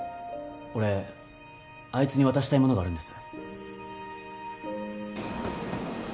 俺あいつに渡したいものがあるんです。